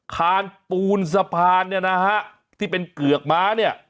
คานปูนสะพานเนี่ยนะฮะที่เป็นเกือกม้าเนี่ย